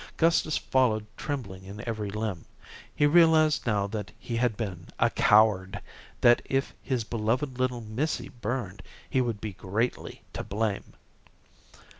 Gustus followed trembling in every limb. He realized now that he had been a coward, that if his beloved little "missy" burned, he would be greatly to blame.